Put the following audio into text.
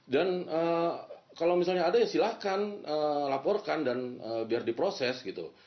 dan kalau misalnya ada ya silahkan laporkan dan biar diproses gitu